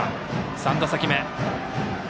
３打席目。